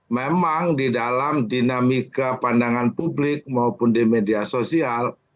memang di dalam dinamika pandangan publik maupun di media sosial